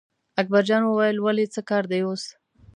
اکبرجان وویل ولې څه کار دی اوس.